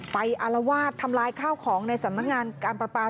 อารวาสทำลายข้าวของในสำนักงานการประปา